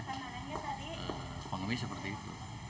dapatnya pengemis seperti itu